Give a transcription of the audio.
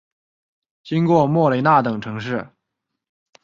经过莫雷纳等城市。